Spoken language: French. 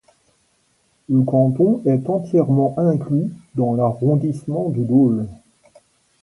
Le canton est entièrement inclus dans l'arrondissement de Dole.